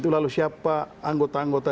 lalu siapa anggota anggota